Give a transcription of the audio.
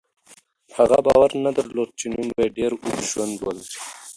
هغه باور نه درلود چې نوم به یې ډېر اوږد ژوند ولري.